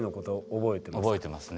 覚えてますね。